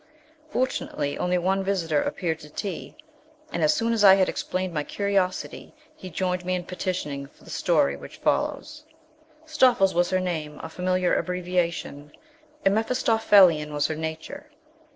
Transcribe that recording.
Fortunately only one visitor appeared to tea. And as soon as I had explained my curiosity, he joined me in petitioning for the story which follows: Stoffles was her name, a familiar abbreviation, and Mephistophelian was her nature.